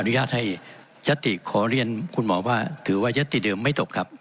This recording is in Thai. ญาตให้ยัตติขอเรียนคุณหมอว่าถือว่ายัตติเดิมไม่ตกครับ